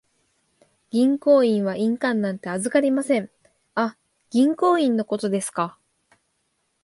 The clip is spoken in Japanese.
銀行員は印鑑なんて預かりません。あ、銀行印のことですか。